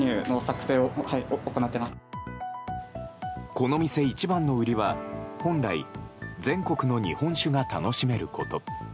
この店一番の売りは本来全国の日本酒が楽しめること。